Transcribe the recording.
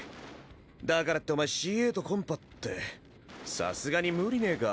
だからってお前「ＣＡとコンパ」ってさすがに無理ねぇか？